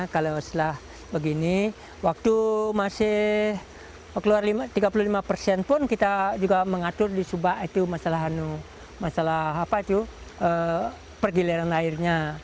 kalau setelah begini waktu masih keluar tiga puluh lima persen pun kita juga mengatur di subak itu masalah pergiliran airnya